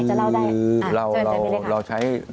คือเราใช้รูปแบบของการที่ว่า